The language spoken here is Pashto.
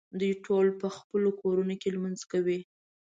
دوی ټول په خپلو کورونو کې لمونځ کوي.